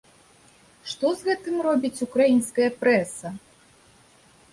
Што з гэтым робіць украінская прэса?